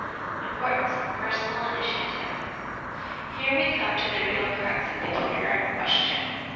Importance of Personal Initiative. Here we come to the real crux of the Kindergarten question.